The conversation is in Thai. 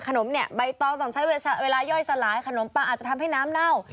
ขนมเนี่ยใบตองต้องใช้เวลาย่อยสลายขนมปลาอาจจะทำให้น้ำเน่า